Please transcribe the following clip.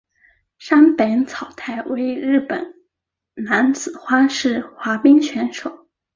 山本草太为日本男子花式滑冰选手。